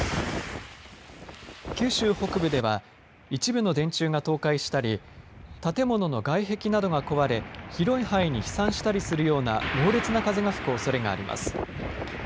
九州北部では一部の電柱が倒壊したり建物の外壁が壊れ広い範囲に飛散したりするような猛烈な風が吹くおそれがあります。